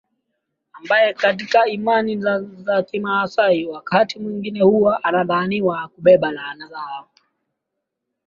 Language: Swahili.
ambae katika imani za kimaasai wakati mwingine huwa anadhaniwa kubeba laana zao